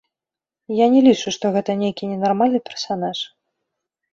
Я не лічу, што гэта нейкі ненармальны персанаж.